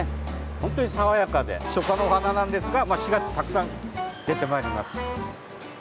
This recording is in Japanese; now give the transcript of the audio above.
本当に爽やかで初夏の花なんですが４月、たくさん出てまりります。